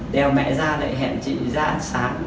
đèo mẹ ra lại hẹn chị ra ăn sáng